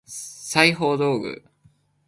裁縫道具